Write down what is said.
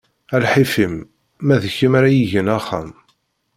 A lḥif-im, ma d kem ara igen axxam!